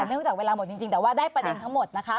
เนื่องจากเวลาหมดจริงแต่ว่าได้ประเด็นทั้งหมดนะคะ